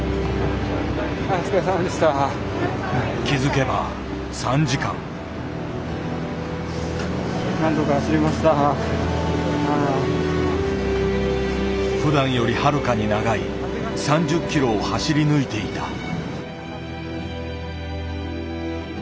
気付けば３時間。ふだんよりはるかに長い３０キロを走り抜いていた。